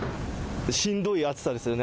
しんどい暑さですよね。